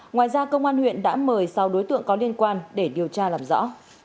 ngoài ra công an huyện đã mời sáu đối tượng có liên quan để điều tra làm rõ